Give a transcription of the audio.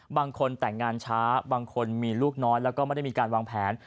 บางคนแต่งงานช้าบางคนมีลูกน้อยแล้วก็ไม่ได้มีการวางแผน